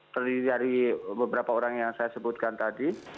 terdiri dari beberapa orang yang saya sebutkan tadi